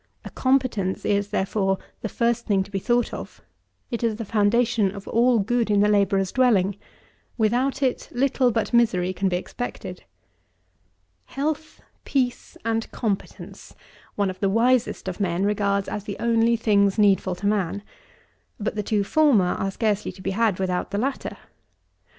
A competence is, therefore, the first thing to be thought of; it is the foundation of all good in the labourer's dwelling; without it little but misery can be expected. "Health, peace, and competence," one of the wisest of men regards as the only things needful to man: but the two former are scarcely to be had without the latter.